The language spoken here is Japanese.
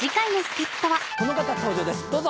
この方登場ですどうぞ！